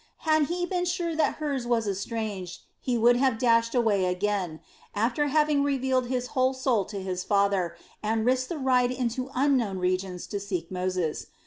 Had he been sure that hers was estranged he would have dashed away again, after having revealed his whole soul to his father, and risked the ride into unknown regions to seek Moses.